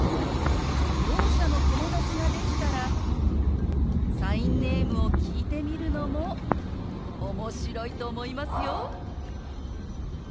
ろう者の友達ができたらサインネームを聞いてみるのも面白いと思いますよ。